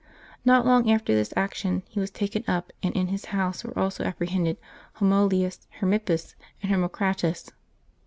Not long after this action he was taken up, and in his house were also apprehended Hermolaus, Hermip pus, and Hermocrates.